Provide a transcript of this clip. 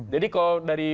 jadi kalau dari